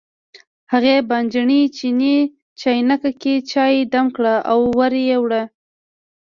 هغې بانجاني چیني چاینکه کې چای دم کړ او ور یې وړ.